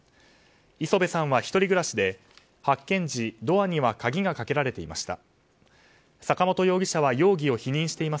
磯辺さんは１人暮らしで発見時ドアには鍵がかけられていました。